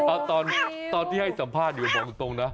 เอาตอนที่ให้สัมภาษณ์อยู่บอกตรงนะ